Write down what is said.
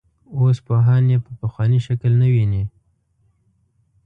اوس پوهان یې په پخواني شکل نه ویني.